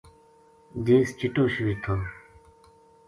دیس چٹو شوید تھو